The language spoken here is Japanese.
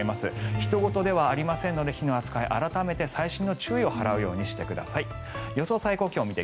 ひと事ではありませんので火の扱い、細心の注意を払うようにしてください。